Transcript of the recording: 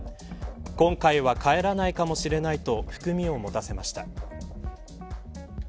今回は帰らないかもしれないと含みを持たせました。